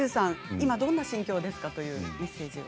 今どんな心境ですか？というメッセージも。